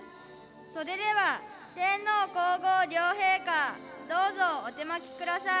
それでは、天皇皇后両陛下どうぞお手播きください。